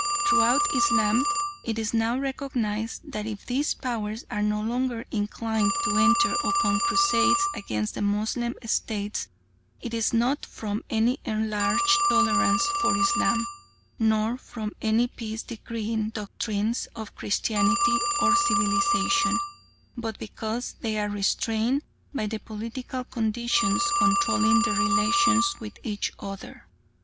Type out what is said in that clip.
Throughout Islam it is now recognised that if these Powers are no longer inclined to enter upon crusades against the Moslem states it is not from any enlarged tolerance for Islam nor from any peace decreeing doctrines of Christianity or civilisation, but because they are restrained by the political conditions controlling their relations with each other.